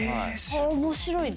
面白い。